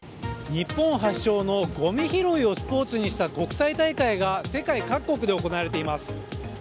日本発祥のごみ拾いをスポーツにした国際大会が世界各国で行われています。